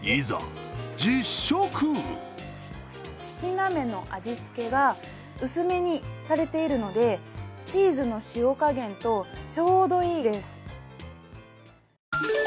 チキンラーメンの味つけが薄めにされているので、チーズの塩加減とちょうどいいです。